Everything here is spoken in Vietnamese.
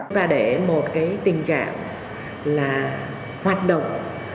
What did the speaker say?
ta để một cái tình trạng là hoạt động